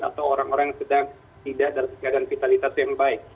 atau orang orang yang sedang tidak dalam keadaan vitalitas yang baik